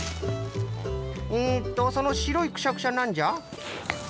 えっとそのしろいクシャクシャなんじゃ？